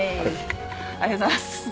ありがとうございます。